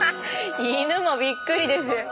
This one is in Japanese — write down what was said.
犬もびっくりですよ。